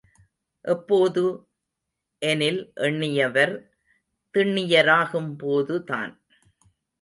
எப்போது? எனில் எண்ணியவர் திண்ணியராகும் போது தான்.